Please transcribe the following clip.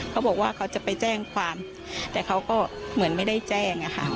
เขาบอกว่าเขาจะไปแจ้งความแต่เขาก็เหมือนไม่ได้แจ้งอะค่ะ